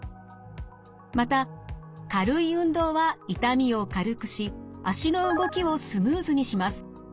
また軽い運動は痛みを軽くし脚の動きをスムーズにします。